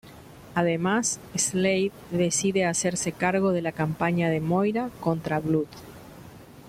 Además, Slade decide hacerse cargo de la campaña de Moira contra Blood.